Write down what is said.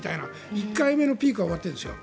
１回目のピークは終わっているんですよ。